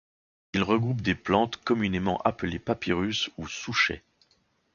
Il regroupe des plantes communément appelées papyrus ou souchets.